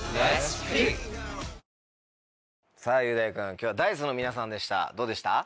今日はＤａ−ｉＣＥの皆さんでしたどうでした？